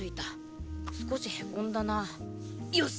少しへこんだなよし！